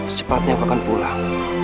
secepatnya aku akan pulang